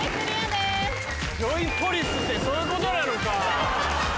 ジョイポリスってそういうことなのか。